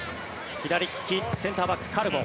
左利き、センターバックカルボ。